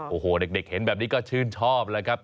โอ้โหเด็กเห็นแบบนี้ก็ชื่นชอบแล้วครับ